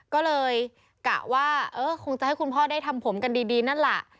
ก็เลยกะว่าเออคงจะให้คุณพ่อได้ทำผมกันดีนั่นแหละ